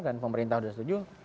dan pemerintah sudah setuju